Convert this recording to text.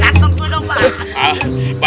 gatot lu dong pak